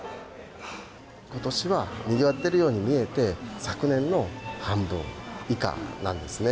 ことしはにぎわっているように見えて、昨年の半分以下なんですね。